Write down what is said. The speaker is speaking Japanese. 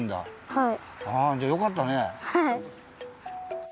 はい！